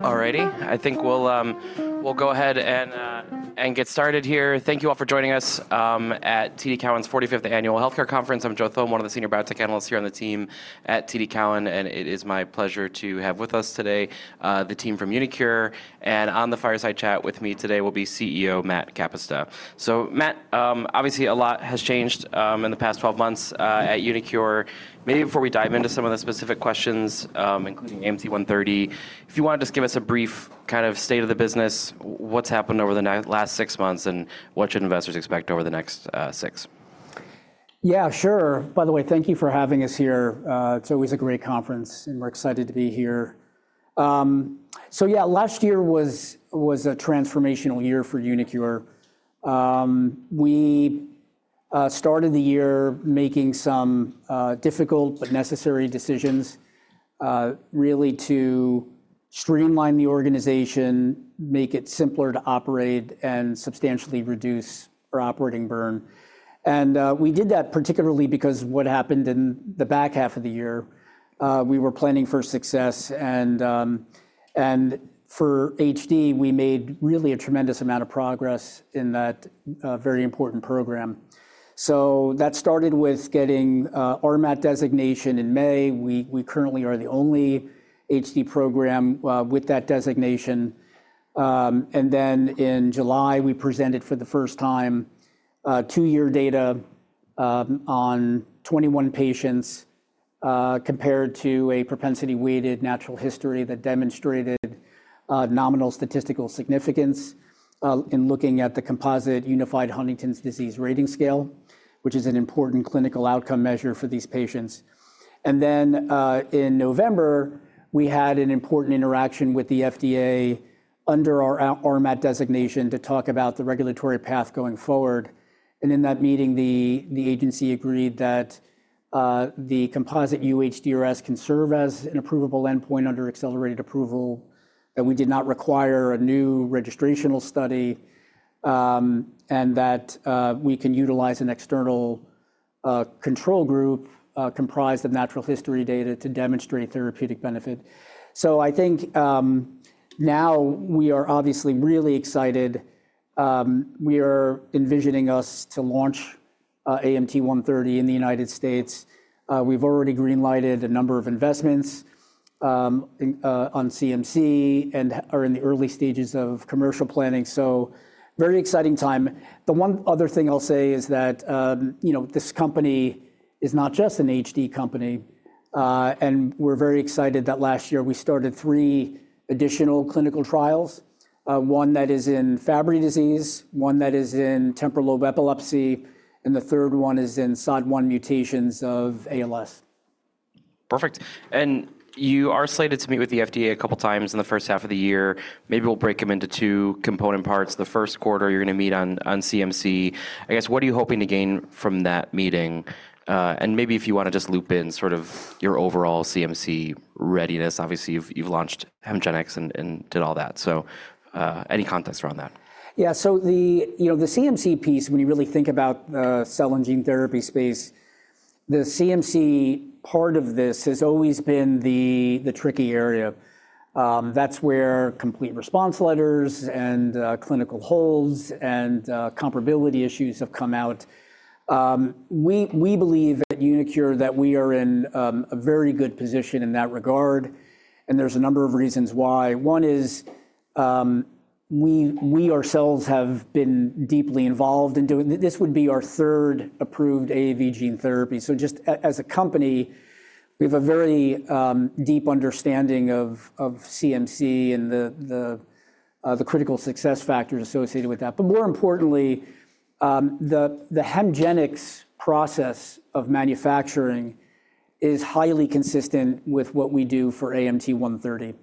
Alrighty, I think we'll go ahead and get started here. Thank you all for joining us at TD Cowen's 45th Annual Healthcare Conference. I'm Joe Thome, one of the senior biotech analysts here on the team at TD Cowen, and it is my pleasure to have with us today the team from uniQure. On the fireside chat with me today will be CEO Matt Kapusta. Matt, obviously a lot has changed in the past 12 months at uniQure. Maybe before we dive into some of the specific questions, including AMT-130, if you want to just give us a brief kind of state of the business, what's happened over the last six months and what should investors expect over the next six? Yeah, sure. By the way, thank you for having us here. It's always a great conference, and we're excited to be here. Last year was a transformational year for uniQure. We started the year making some difficult but necessary decisions, really to streamline the organization, make it simpler to operate, and substantially reduce our operating burn. We did that particularly because what happened in the back half of the year, we were planning for success. For HD, we made really a tremendous amount of progress in that very important program. That started with getting RMAT designation in May. We currently are the only HD program with that designation. In July, we presented for the first time, two-year data on 21 patients, compared to a propensity-weighted natural history that demonstrated nominal statistical significance in looking at the composite unified Huntington's disease rating scale, which is an important clinical outcome measure for these patients. In November, we had an important interaction with the FDA under our RMAT designation to talk about the regulatory path going forward. In that meeting, the agency agreed that the composite UHDRS can serve as an approvable endpoint under accelerated approval, that we did not require a new registrational study, and that we can utilize an external control group, comprised of natural history data to demonstrate therapeutic benefit. I think now we are obviously really excited. We are envisioning us to launch AMT-130 in the United States. We've already greenlighted a number of investments on CMC and are in the early stages of commercial planning. Very exciting time. The one other thing I'll say is that, you know, this company is not just an HD company, and we're very excited that last year we started three additional clinical trials, one that is in Fabry disease, one that is in temporal lobe epilepsy, and the third one is in SOD1 mutations of ALS. Perfect. You are slated to meet with the FDA a couple of times in the first half of the year. Maybe we'll break them into two component parts. The first quarter, you're going to meet on CMC. I guess, what are you hoping to gain from that meeting? Maybe if you want to just loop in sort of your overall CMC readiness. Obviously, you've launched Hemgenix and did all that. Any context around that? Yeah, so the, you know, the CMC piece, when you really think about the cell and gene therapy space, the CMC part of this has always been the, the tricky area. That's where complete response letters and clinical holds and comparability issues have come out. We believe at uniQure that we are in a very good position in that regard. And there's a number of reasons why. One is, we ourselves have been deeply involved in doing this. This would be our third approved AAV gene therapy. So just as a company, we have a very deep understanding of CMC and the critical success factors associated with that. More importantly, the Hemgenix process of manufacturing is highly consistent with what we do for AMT-130.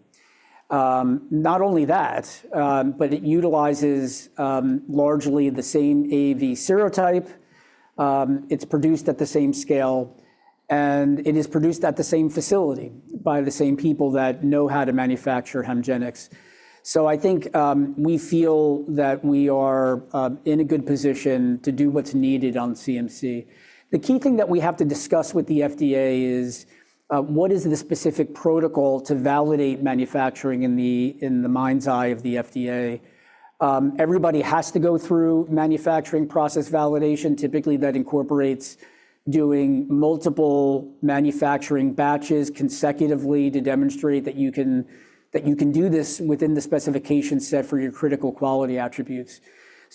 Not only that, but it utilizes largely the same AAV serotype. It's produced at the same scale, and it is produced at the same facility by the same people that know how to manufacture Hemgenix. I think we feel that we are in a good position to do what's needed on CMC. The key thing that we have to discuss with the FDA is, what is the specific protocol to validate manufacturing in the mind's eye of the FDA? Everybody has to go through manufacturing process validation. Typically, that incorporates doing multiple manufacturing batches consecutively to demonstrate that you can do this within the specification set for your critical quality attributes.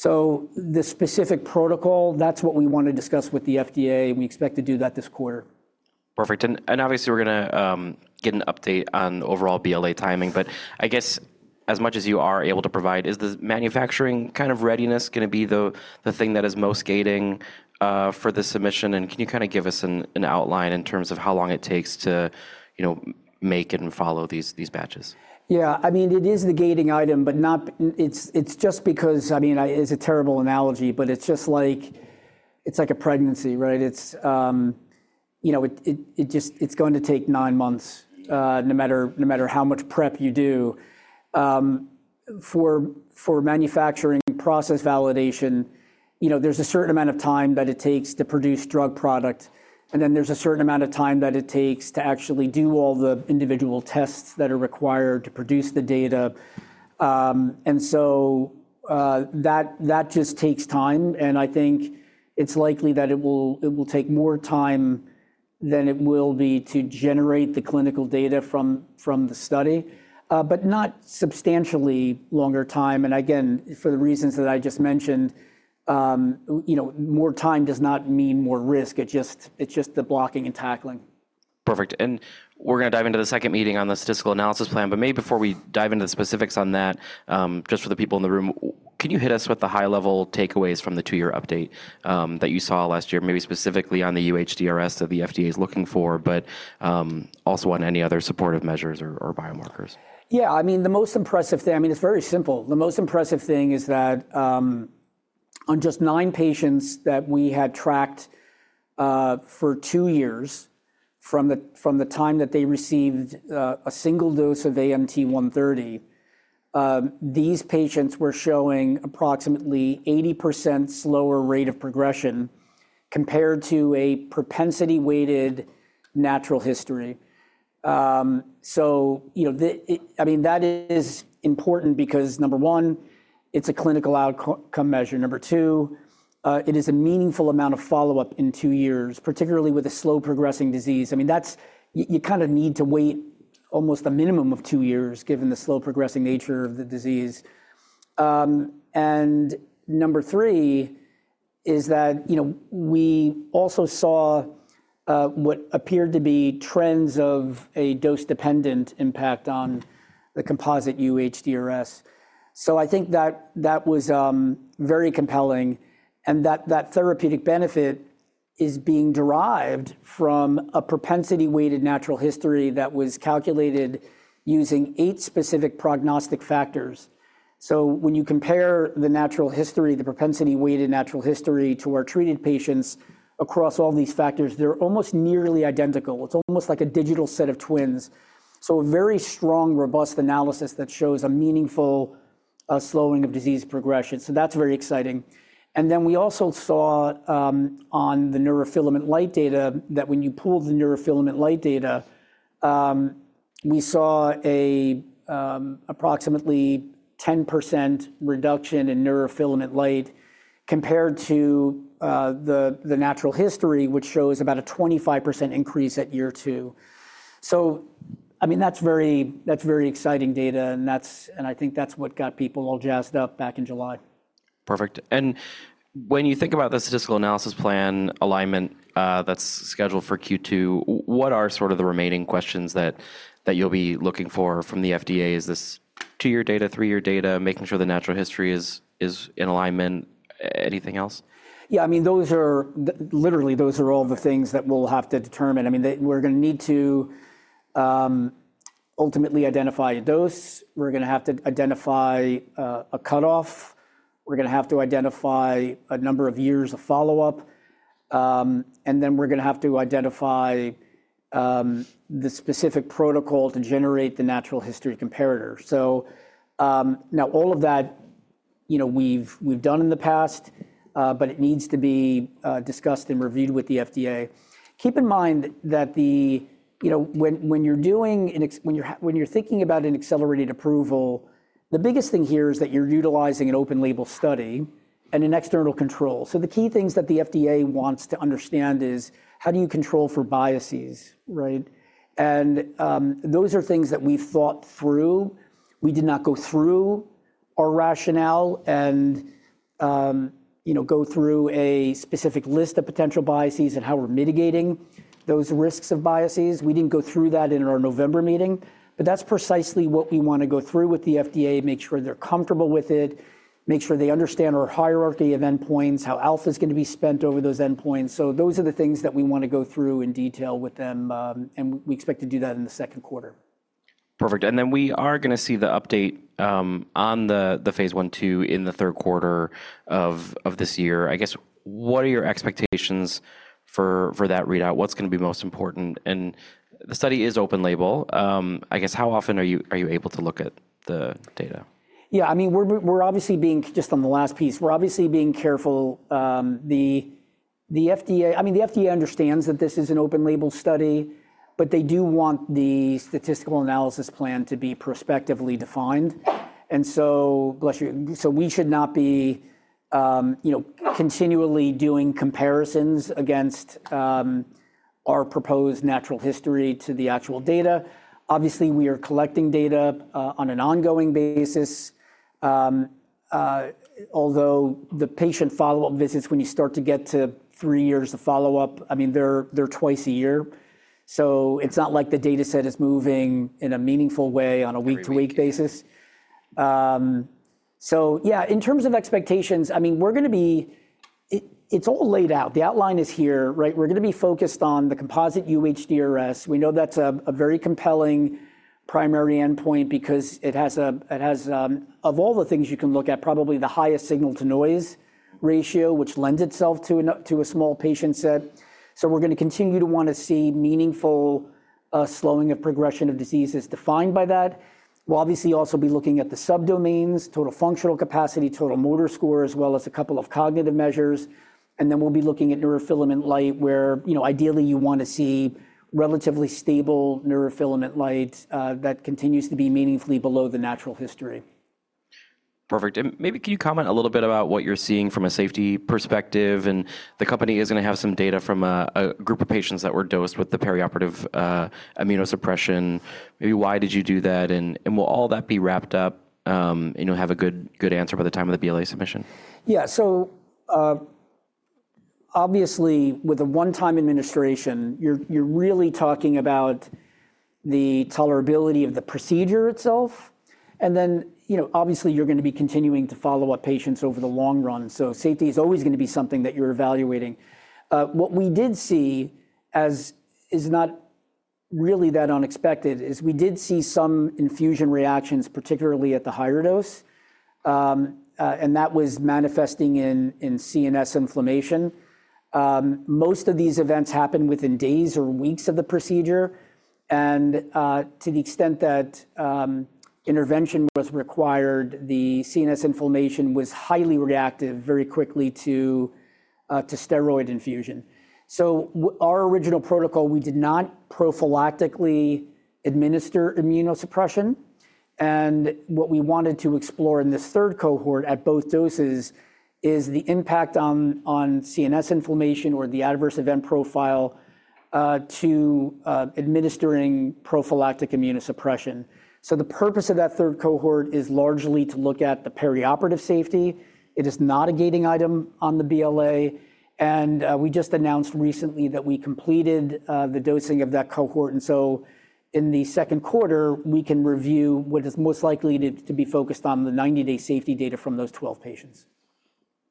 The specific protocol, that's what we want to discuss with the FDA, and we expect to do that this quarter. Perfect. Obviously we're going to get an update on overall BLA timing, but I guess as much as you are able to provide, is the manufacturing kind of readiness going to be the thing that is most gating for the submission? Can you kind of give us an outline in terms of how long it takes to, you know, make and follow these batches? Yeah, I mean, it is the gating item, but not, it's, it's just because, I mean, I, it's a terrible analogy, but it's just like, it's like a pregnancy, right? It's, you know, it, it, it just, it's going to take nine months, no matter, no matter how much prep you do. For manufacturing process validation, you know, there's a certain amount of time that it takes to produce drug product, and then there's a certain amount of time that it takes to actually do all the individual tests that are required to produce the data. And so, that, that just takes time. I think it's likely that it will, it will take more time than it will be to generate the clinical data from, from the study, but not substantially longer time. For the reasons that I just mentioned, you know, more time does not mean more risk. It just, it's just the blocking and tackling. Perfect. We are going to dive into the second meeting on the statistical analysis plan. Maybe before we dive into the specifics on that, just for the people in the room, can you hit us with the high-level takeaways from the two-year update that you saw last year, maybe specifically on the UHDRS that the FDA is looking for, but also on any other supportive measures or biomarkers? Yeah, I mean, the most impressive thing, I mean, it's very simple. The most impressive thing is that, on just nine patients that we had tracked, for two years from the, from the time that they received, a single dose of AMT-130, these patients were showing approximately 80% slower rate of progression compared to a propensity-weighted natural history. You know, that is important because number one, it's a clinical outcome measure. Number two, it is a meaningful amount of follow-up in two years, particularly with a slow progressing disease. I mean, that's, you kind of need to wait almost a minimum of two years given the slow progressing nature of the disease. Number three is that, you know, we also saw, what appeared to be trends of a dose-dependent impact on the composite UHDRS. I think that was very compelling and that therapeutic benefit is being derived from a propensity-weighted natural history that was calculated using eight specific prognostic factors. When you compare the natural history, the propensity-weighted natural history to our treated patients across all these factors, they're almost nearly identical. It's almost like a digital set of twins. A very strong, robust analysis that shows a meaningful, slowing of disease progression. That is very exciting. We also saw, on the neurofilament light data, that when you pull the neurofilament light data, we saw approximately 10% reduction in neurofilament light compared to the natural history, which shows about a 25% increase at year two. I mean, that's very exciting data. That's what got people all jazzed up back in July. Perfect. When you think about the statistical analysis plan alignment, that's scheduled for Q2, what are the remaining questions that you'll be looking for from the FDA? Is this two-year data, three-year data, making sure the natural history is in alignment? Anything else? Yeah, I mean, those are literally, those are all the things that we'll have to determine. I mean, we're going to need to, ultimately identify a dose. We're going to have to identify, a cutoff. We're going to have to identify a number of years of follow-up. And then we're going to have to identify, the specific protocol to generate the natural history comparator. Now all of that, you know, we've, we've done in the past, but it needs to be, discussed and reviewed with the FDA. Keep in mind that the, you know, when, when you're doing an, when you're, when you're thinking about an accelerated approval, the biggest thing here is that you're utilizing an open label study and an external control. The key things that the FDA wants to understand is how do you control for biases, right? Those are things that we've thought through. We did not go through our rationale and, you know, go through a specific list of potential biases and how we're mitigating those risks of biases. We didn't go through that in our November meeting, but that's precisely what we want to go through with the FDA, make sure they're comfortable with it, make sure they understand our hierarchy of endpoints, how alpha is going to be spent over those endpoints. Those are the things that we want to go through in detail with them, and we expect to do that in the second quarter. Perfect. We are going to see the update on the phase I/II in the third quarter of this year. I guess, what are your expectations for that readout? What's going to be most important? The study is open label. I guess, how often are you able to look at the data? Yeah, I mean, we're obviously being, just on the last piece, we're obviously being careful. The FDA, I mean, the FDA understands that this is an open label study, but they do want the statistical analysis plan to be prospectively defined. And so, bless you, we should not be, you know, continually doing comparisons against our proposed natural history to the actual data. Obviously, we are collecting data on an ongoing basis. Although the patient follow-up visits, when you start to get to three years of follow-up, I mean, they're twice a year. It's not like the data set is moving in a meaningful way on a week-to-week basis. Yeah, in terms of expectations, I mean, we're going to be, it's all laid out. The outline is here, right? We're going to be focused on the composite UHDRS. We know that's a very compelling primary endpoint because it has, of all the things you can look at, probably the highest signal to noise ratio, which lends itself to a small patient set. We're going to continue to want to see meaningful slowing of progression of disease as defined by that. We'll obviously also be looking at the subdomains, total functional capacity, total motor score, as well as a couple of cognitive measures. We'll be looking at neurofilament light where, you know, ideally you want to see relatively stable neurofilament light that continues to be meaningfully below the natural history. Perfect. Maybe can you comment a little bit about what you're seeing from a safety perspective? The company is going to have some data from a group of patients that were dosed with the perioperative immunosuppression. Maybe why did you do that? Will all that be wrapped up, and you'll have a good answer by the time of the BLA submission? Yeah. So, obviously with a one-time administration, you're really talking about the tolerability of the procedure itself. And then, you know, obviously you're going to be continuing to follow up patients over the long run. So safety is always going to be something that you're evaluating. What we did see, as is not really that unexpected, is we did see some infusion reactions, particularly at the higher dose. And that was manifesting in CNS inflammation. Most of these events happen within days or weeks of the procedure. And, to the extent that intervention was required, the CNS inflammation was highly reactive very quickly to steroid infusion. So our original protocol, we did not prophylactically administer immunosuppression. And what we wanted to explore in this third cohort at both doses is the impact on CNS inflammation or the adverse event profile, to administering prophylactic immunosuppression. The purpose of that third cohort is largely to look at the perioperative safety. It is not a gating item on the BLA. We just announced recently that we completed the dosing of that cohort. In the second quarter, we can review what is most likely to be focused on the 90-day safety data from those 12 patients.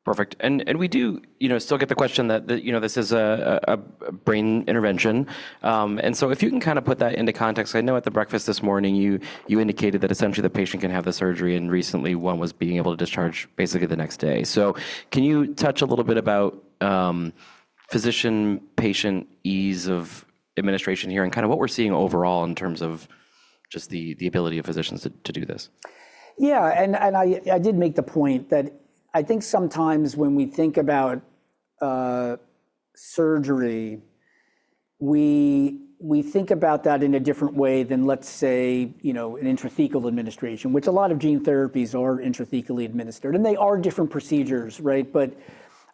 Perfect. And we do, you know, still get the question that, you know, this is a brain intervention. If you can kind of put that into context, I know at the breakfast this morning, you indicated that essentially the patient can have the surgery and recently one was able to discharge basically the next day. Can you touch a little bit about physician-patient ease of administration here and kind of what we're seeing overall in terms of just the ability of physicians to do this? Yeah. I did make the point that I think sometimes when we think about surgery, we think about that in a different way than, let's say, you know, an intrathecal administration, which a lot of gene therapies are intrathecally administered and they are different procedures, right? But,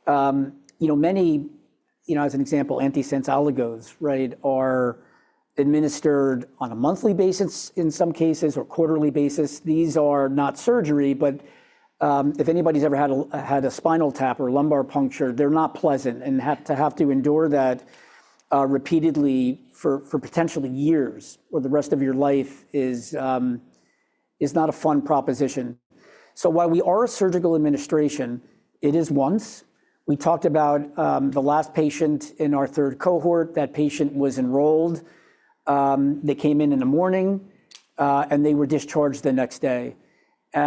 you know, many, you know, as an example, anti-sense oligos, right, are administered on a monthly basis in some cases or quarterly basis. These are not surgery, but if anybody's ever had a, had a spinal tap or lumbar puncture, they're not pleasant and have to, have to endure that, repeatedly for, for potentially years or the rest of your life is, is not a fun proposition. While we are a surgical administration, it is once we talked about, the last patient in our third cohort, that patient was enrolled. They came in in the morning, and they were discharged the next day. You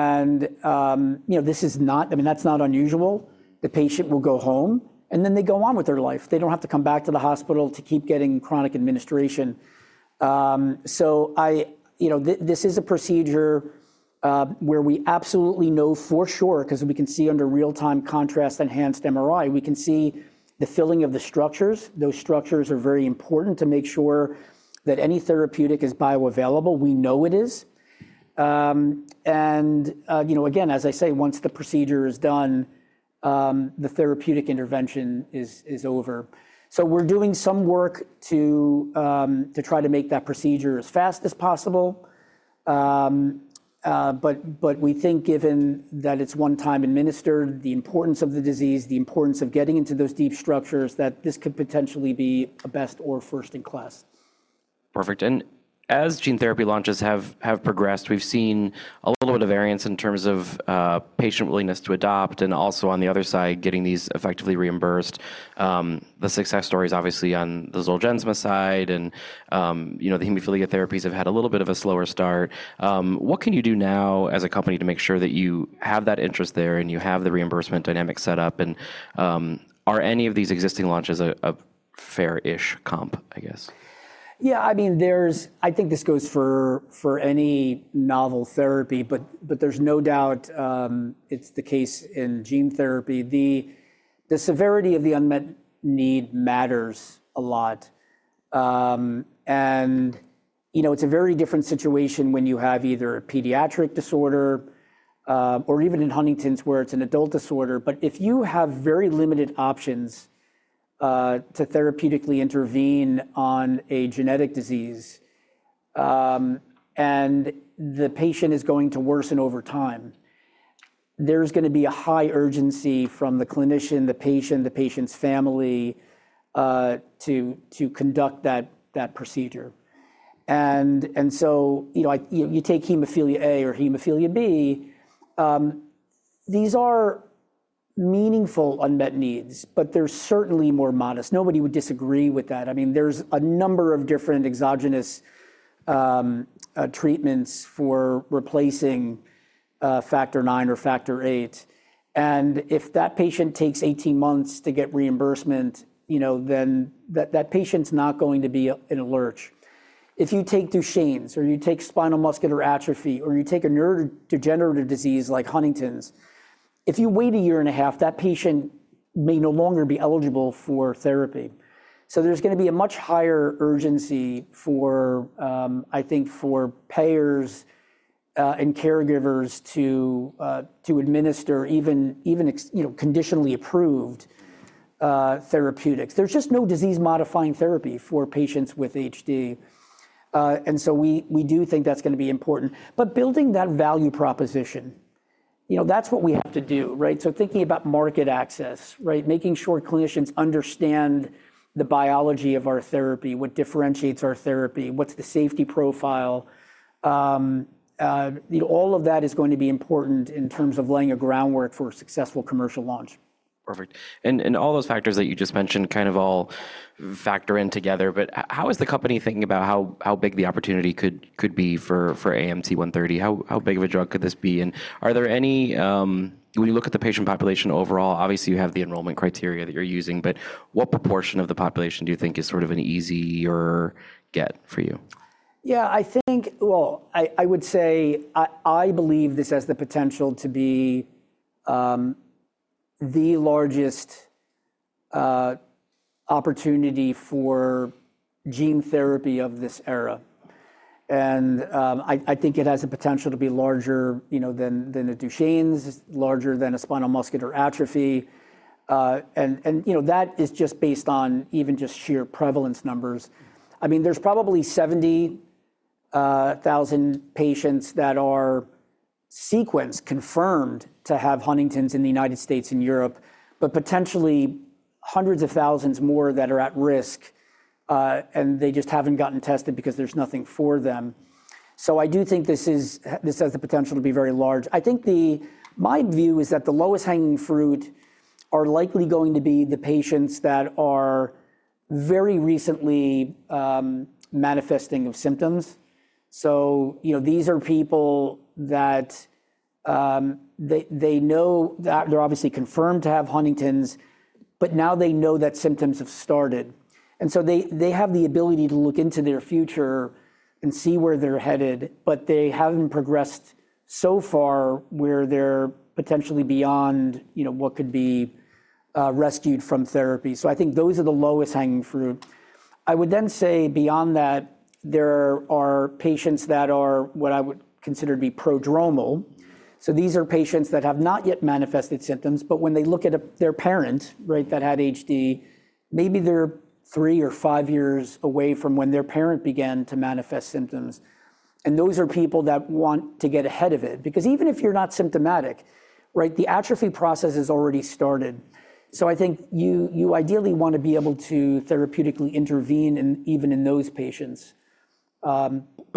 know, this is not, I mean, that's not unusual. The patient will go home and then they go on with their life. They don't have to come back to the hospital to keep getting chronic administration. I, you know, this is a procedure, where we absolutely know for sure, because we can see under real-time contrast-enhanced MRI, we can see the filling of the structures. Those structures are very important to make sure that any therapeutic is bioavailable. We know it is. You know, again, as I say, once the procedure is done, the therapeutic intervention is over. We are doing some work to try to make that procedure as fast as possible. We think given that it's one-time administered, the importance of the disease, the importance of getting into those deep structures, that this could potentially be a best or first-in-class. Perfect. As gene therapy launches have progressed, we've seen a little bit of variance in terms of patient willingness to adopt and also on the other side, getting these effectively reimbursed. The success story is obviously on the Zolgensma side and, you know, the hemophilia therapies have had a little bit of a slower start. What can you do now as a company to make sure that you have that interest there and you have the reimbursement dynamic set up? Are any of these existing launches a fair-ish comp, I guess? Yeah, I mean, there's, I think this goes for any novel therapy, but there's no doubt, it's the case in gene therapy. The severity of the unmet need matters a lot. You know, it's a very different situation when you have either a pediatric disorder, or even in Huntington's where it's an adult disorder, but if you have very limited options to therapeutically intervene on a genetic disease, and the patient is going to worsen over time, there's going to be a high urgency from the clinician, the patient, the patient's family, to conduct that procedure. You know, you take hemophilia A or hemophilia B, these are meaningful unmet needs, but they're certainly more modest. Nobody would disagree with that. I mean, there's a number of different exogenous treatments for replacing factor nine or factor eight. If that patient takes 18 months to get reimbursement, you know, then that patient's not going to be in a lurch. If you take Duchenne's or you take spinal muscular atrophy or you take a neurodegenerative disease like Huntington's, if you wait a year and a half, that patient may no longer be eligible for therapy. There is going to be a much higher urgency for, I think for payers and caregivers to administer even, even, you know, conditionally approved therapeutics. There is just no disease-modifying therapy for patients with HD. We do think that's going to be important, but building that value proposition, you know, that's what we have to do, right? Thinking about market access, right? Making sure clinicians understand the biology of our therapy, what differentiates our therapy, what's the safety profile. you know, all of that is going to be important in terms of laying a groundwork for a successful commercial launch. Perfect. All those factors that you just mentioned kind of all factor in together, but how is the company thinking about how big the opportunity could be for AMT-130? How big of a drug could this be? And are there any, when you look at the patient population overall, obviously you have the enrollment criteria that you're using, but what proportion of the population do you think is sort of an easier get for you? Yeah, I think, I would say I believe this has the potential to be the largest opportunity for gene therapy of this era. I think it has a potential to be larger, you know, than a Duchenne's, larger than a spinal muscular atrophy. You know, that is just based on even just sheer prevalence numbers. I mean, there's probably 70,000 patients that are sequenced, confirmed to have Huntington's in the United States and Europe, but potentially hundreds of thousands more that are at risk, and they just haven't gotten tested because there's nothing for them. I do think this has the potential to be very large. I think my view is that the lowest hanging fruit are likely going to be the patients that are very recently manifesting of symptoms. You know, these are people that, they know that they're obviously confirmed to have Huntington's, but now they know that symptoms have started. They have the ability to look into their future and see where they're headed, but they haven't progressed so far where they're potentially beyond, you know, what could be rescued from therapy. I think those are the lowest hanging fruit. I would then say beyond that, there are patients that are what I would consider to be prodromal. These are patients that have not yet manifested symptoms, but when they look at their parent, right, that had HD, maybe they're three or five years away from when their parent began to manifest symptoms. Those are people that want to get ahead of it because even if you're not symptomatic, right, the atrophy process has already started. I think you ideally want to be able to therapeutically intervene even in those patients.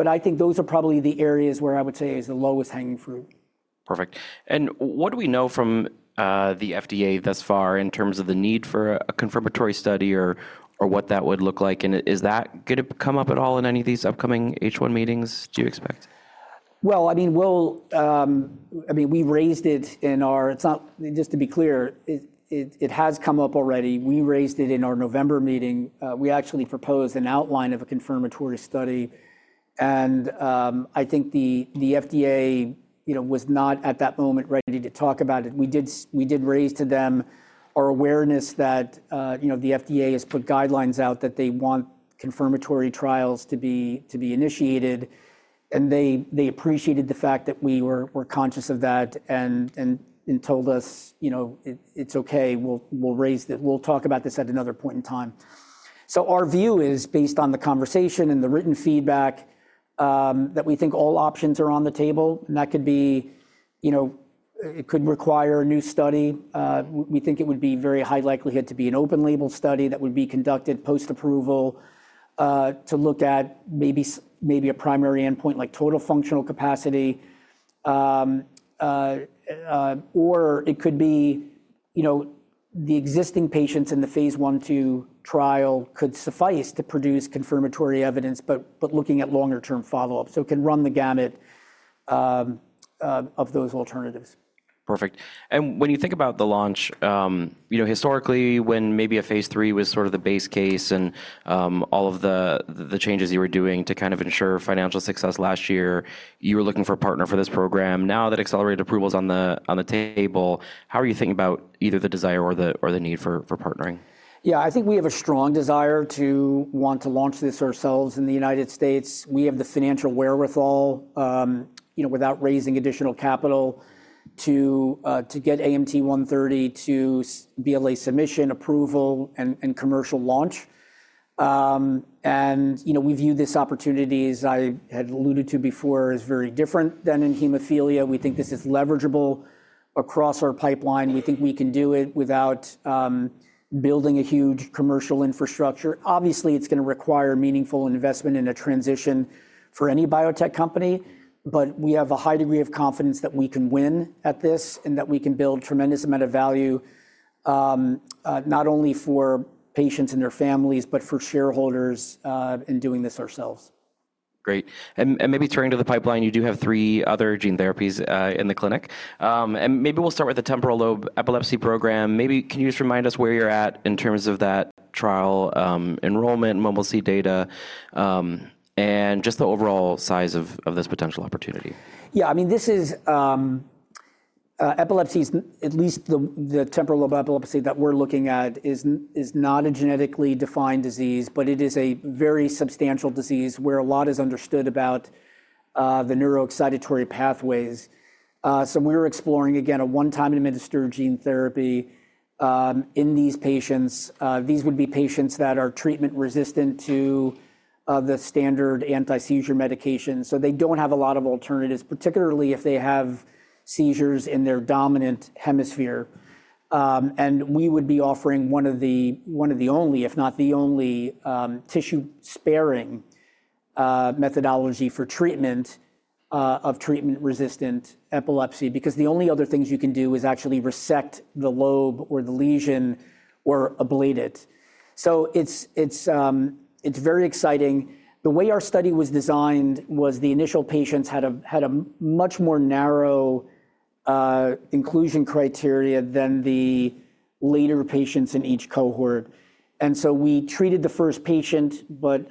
I think those are probably the areas where I would say is the lowest hanging fruit. Perfect. What do we know from the FDA thus far in terms of the need for a confirmatory study or what that would look like? Is that going to come up at all in any of these upcoming H1 meetings? Do you expect? I mean, we'll, I mean, we raised it in our, it's not just to be clear, it, it, it has come up already. We raised it in our November meeting. We actually proposed an outline of a confirmatory study. I think the FDA, you know, was not at that moment ready to talk about it. We did, we did raise to them our awareness that, you know, the FDA has put guidelines out that they want confirmatory trials to be initiated. They appreciated the fact that we were, were conscious of that and, and told us, you know, it's okay. We'll, we'll raise that. We'll talk about this at another point in time. Our view is based on the conversation and the written feedback, that we think all options are on the table and that could be, you know, it could require a new study. We think it would be very high likelihood to be an open label study that would be conducted post-approval, to look at maybe, maybe a primary endpoint like total functional capacity. Or it could be, you know, the existing patients in the phase I/II trial could suffice to produce confirmatory evidence, but, but looking at longer-term follow-up. It can run the gamut of those alternatives. Perfect. When you think about the launch, you know, historically when maybe a phase three was sort of the base case and all of the changes you were doing to kind of ensure financial success last year, you were looking for a partner for this program. Now that accelerated approval's on the table, how are you thinking about either the desire or the need for partnering? Yeah, I think we have a strong desire to want to launch this ourselves in the United States. We have the financial wherewithal, you know, without raising additional capital to get AMT-130 to BLA submission, approval, and commercial launch. You know, we view this opportunity, as I had alluded to before, as very different than in hemophilia. We think this is leverageable across our pipeline. We think we can do it without building a huge commercial infrastructure. Obviously, it's going to require meaningful investment in a transition for any biotech company, but we have a high degree of confidence that we can win at this and that we can build tremendous amount of value, not only for patients and their families, but for shareholders, in doing this ourselves. Great. Maybe turning to the pipeline, you do have three other gene therapies in the clinic. Maybe we'll start with the temporal lobe epilepsy program. Maybe can you just remind us where you're at in terms of that trial, enrollment, MOMLC data, and just the overall size of this potential opportunity? Yeah, I mean, this is, epilepsy is at least the, the temporal lobe epilepsy that we're looking at is, is not a genetically defined disease, but it is a very substantial disease where a lot is understood about the neuroexcitatory pathways. We're exploring again, a one-time administered gene therapy in these patients. These would be patients that are treatment resistant to the standard anti-seizure medication. They don't have a lot of alternatives, particularly if they have seizures in their dominant hemisphere. We would be offering one of the, one of the only, if not the only, tissue sparing methodology for treatment of treatment resistant epilepsy, because the only other things you can do is actually resect the lobe or the lesion or ablate it. It's very exciting. The way our study was designed was the initial patients had a, had a much more narrow inclusion criteria than the later patients in each cohort. We treated the first patient, but,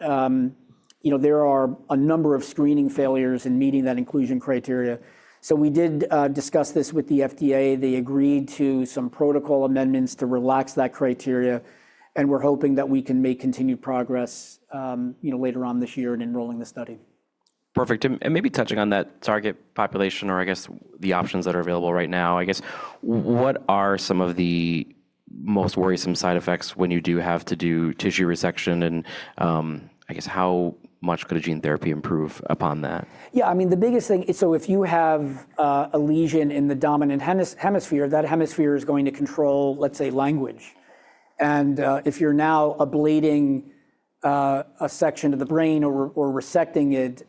you know, there are a number of screening failures in meeting that inclusion criteria. We did discuss this with the FDA. They agreed to some protocol amendments to relax that criteria. We're hoping that we can make continued progress, you know, later on this year in enrolling the study. Perfect. Maybe touching on that target population or I guess the options that are available right now, I guess, what are some of the most worrisome side effects when you do have to do tissue resection and, I guess, how much could a gene therapy improve upon that? Yeah, I mean, the biggest thing is, if you have a lesion in the dominant hemisphere, that hemisphere is going to control, let's say, language. If you're now ablating a section of the brain or resecting it,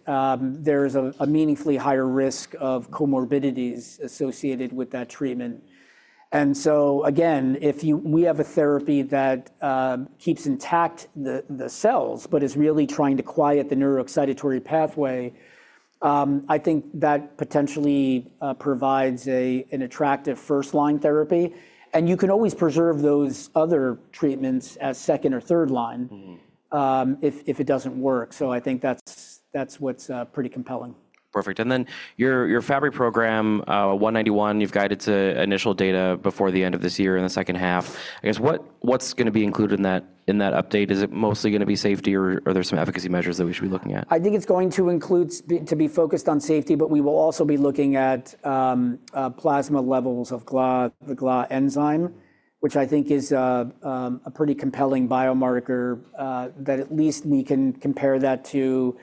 there's a meaningfully higher risk of comorbidities associated with that treatment. If you have a therapy that keeps intact the cells but is really trying to quiet the neuroexcitatory pathway, I think that potentially provides an attractive first-line therapy. You can always preserve those other treatments as second or third line if it doesn't work. I think that's what's pretty compelling. Perfect. Your Fabry program, 191, you've guided to initial data before the end of this year in the second half. I guess what, what's going to be included in that, in that update? Is it mostly going to be safety or are there some efficacy measures that we should be looking at? I think it's going to include to be focused on safety, but we will also be looking at plasma levels of GLA, the GLA enzyme, which I think is a pretty compelling biomarker, that at least we can compare that to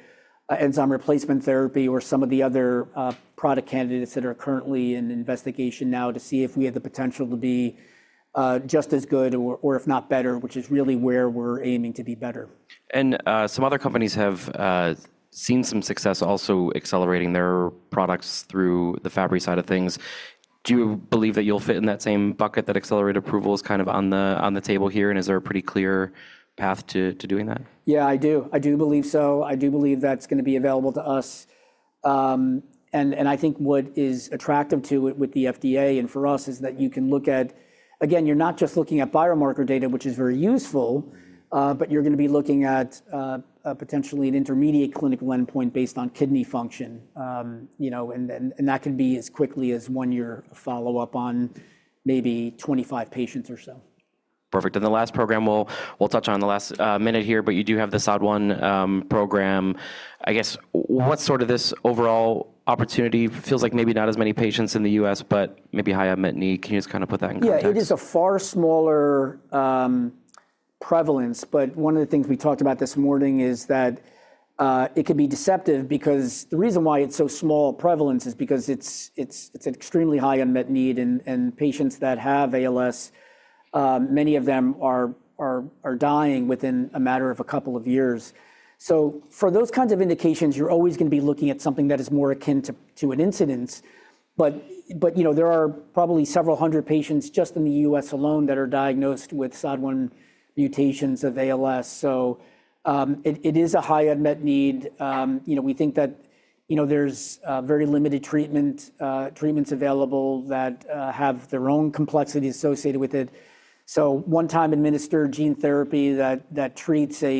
enzyme replacement therapy or some of the other product candidates that are currently in investigation now to see if we have the potential to be just as good or, or if not better, which is really where we're aiming to be better. Some other companies have seen some success also accelerating their products through the Fabry side of things. Do you believe that you'll fit in that same bucket, that accelerated approval is kind of on the table here? And is there a pretty clear path to doing that? Yeah, I do. I do believe so. I do believe that's going to be available to us, and I think what is attractive to it with the FDA and for us is that you can look at, again, you're not just looking at biomarker data, which is very useful, but you're going to be looking at, potentially, an intermediate clinical endpoint based on kidney function, you know, and that can be as quickly as one year follow-up on maybe 25 patients or so. Perfect. The last program we'll touch on in the last minute here, you do have the SOD1 program. I guess what sort of this overall opportunity feels like, maybe not as many patients in the U.S., but maybe high unmet need. Can you just kind of put that in context? Yeah, it is a far smaller prevalence, but one of the things we talked about this morning is that it could be deceptive because the reason why it's so small prevalence is because it's an extremely high unmet need and patients that have ALS, many of them are dying within a matter of a couple of years. For those kinds of indications, you're always going to be looking at something that is more akin to an incidence. You know, there are probably several hundred patients just in the U.S. alone that are diagnosed with SOD1 mutations of ALS. It is a high unmet need. You know, we think that, you know, there's very limited treatments available that have their own complexities associated with it. One-time administered gene therapy that treats a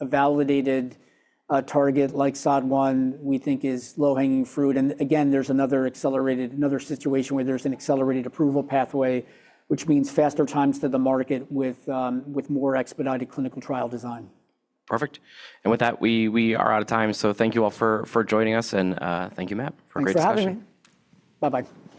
validated target like SOD1 we think is low hanging fruit. Again, there's another accelerated, another situation where there's an accelerated approval pathway, which means faster times to the market with more expedited clinical trial design. Perfect. With that, we are out of time. Thank you all for joining us, and thank you, Matt, for a great discussion. Thanks for having me. Bye-bye.